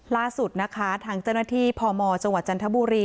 ล่าสุดนะคะทางเจ้าหน้าที่พมจังหวัดจันทบุรี